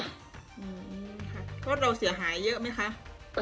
รถเราเสียหายเยอะไหมค่ะ